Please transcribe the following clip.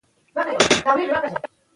Follow